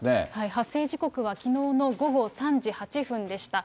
発生時刻はきのうの午後３時８分でした。